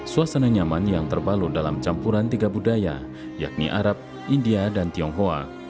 suasana nyaman yang terbalun dalam campuran tiga budaya yakni arab india dan tionghoa